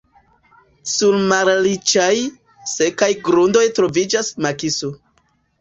Sur malriĉaj, sekaj grundoj troviĝas makiso.